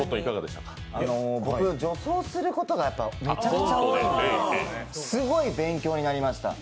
僕、女装することがめちゃくちゃ多いのですごい勉強になりました。